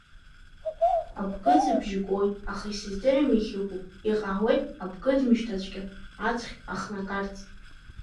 Абгыӡабжьы гоит, аха исыздырам иахьыкәу, иҟаауеит абгыӡмышьҭацәгьа, ацхь ахнагарц.